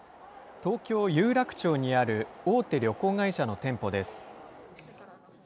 東京・有楽町にある大手旅行会社の店舗です。